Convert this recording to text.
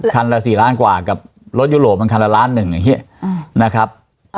คันละ๔ล้านกว่ากับรถยุโรปมันคันละล้านหนึ่งอย่างนี้นะครับ